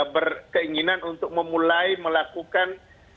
berkeinginan untuk memulai melakukan